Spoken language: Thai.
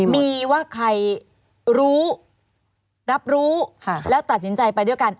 มีว่าใครรู้รับรู้แล้วตัดสินใจไปด้วยกัน